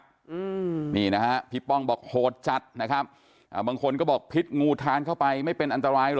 อืมนี่นะฮะพี่ป้องบอกโหดจัดนะครับอ่าบางคนก็บอกพิษงูทานเข้าไปไม่เป็นอันตรายเหรอ